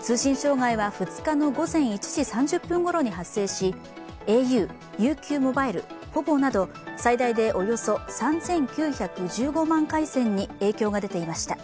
通信障害は２日の午前１時３０分ごろに発生しａｕ、ＵＱｍｏｂｉｌｅ、ｐｏｖｏなど最大でおよそ３９１５万回線に影響が出ていました。